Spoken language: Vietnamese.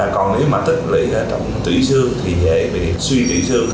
còn nếu tích lũy trong tủy xương thì dễ bị suy tủy xương